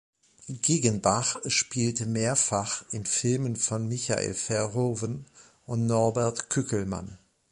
Giggenbach spielte mehrfach in Filmen von Michael Verhoeven und Norbert Kückelmann.